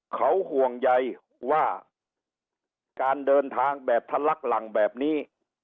เขาห่วงใยว่าการเดินทางแบบทะลักหลังแบบนี้